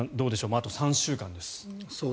あと３週間です。